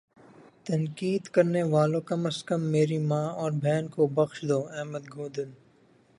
تنقید کرنے والو کم از کم میری ماں اور بہن کو بخش دو احمد گوڈیل